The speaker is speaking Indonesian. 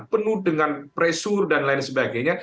penuh dengan pressure dan lain sebagainya